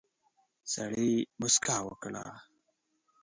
سړي موسکا وکړه.